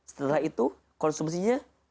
setelah itu konsumsinya